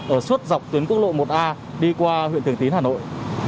ở suốt dọc tuyến quốc lộ một a đi qua huyện thường tín hà nội